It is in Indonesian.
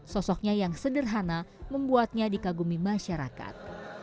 sosoknya yang sederhana membuatnya dikagumi masyarakat